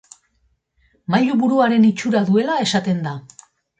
Mailu buruaren itxura duela esaten da.